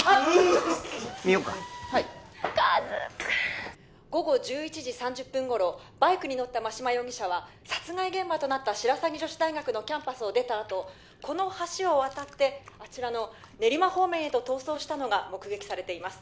見ようかカズくん午後１１時３０分頃バイクに乗った真島容疑者は殺害現場となった白鷺女子大学のキャンパスを出たあとこの橋を渡って練馬方面へと逃走したのが目撃されています